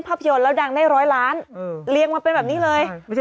ภาพยนตร์แล้วดังได้ร้อยล้านเรียงมาเป็นแบบนี้เลย